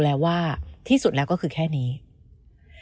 แล้วน้องคิดว่าหัวใจพ่อไม่ชินหรือ